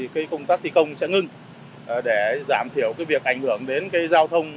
công tác thi công sẽ ngưng để giảm thiểu việc ảnh hưởng đến giao thông